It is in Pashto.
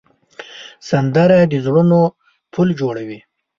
سندره د زړونو پل جوړوي